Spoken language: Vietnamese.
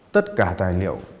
tất cả tài liệu